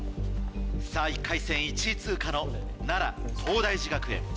さぁ１回戦１位通過の奈良東大寺学園。